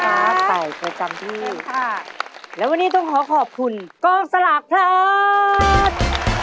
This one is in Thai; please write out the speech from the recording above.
ขอบคุณด้วยนะครับขอบคุณครับต่อเวลาจำที่และวันนี้ต้องขอขอบคุณกองสลากพลัง